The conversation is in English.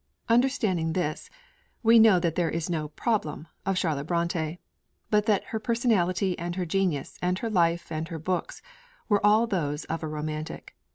Understanding this, we know that there is no 'Problem' of Charlotte Brontë: but that her personality and her genius and her life and her books were all those of a Romantic.